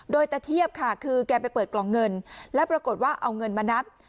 โดยตะเทียบค่ะคือแกไปเปิดกล่องเงินแล้วปรากฏว่าเอาเงินมานับ